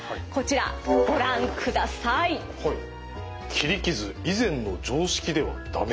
「切り傷以前の常識ではダメ」？